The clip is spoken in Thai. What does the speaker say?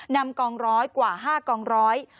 นำกองร้อยกว่า๕กองร้อย